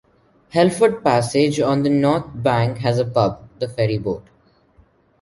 Helford Passage, on the North bank, has a pub, The Ferryboat.